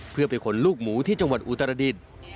เพื่อไปขนลูกหมูที่จังหวัดอุตรดิษฐ์